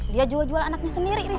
dia jual jual anaknya sendiri